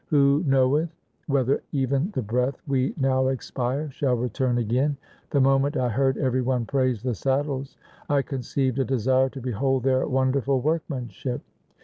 Who knoweth whether even the breath we now expire shall return again ? The moment I heard every one praise the saddles I conceived a desire to behold their wonderful workmanship.